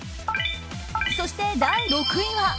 そして第６位は。